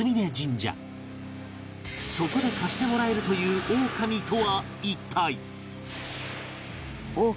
そこで貸してもらえるというオオカミとは一体？